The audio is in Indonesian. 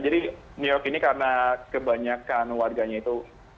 jadi new york ini karena kebanyakan warganya itu